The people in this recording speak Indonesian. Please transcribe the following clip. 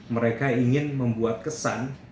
mereka ingin membuat kesan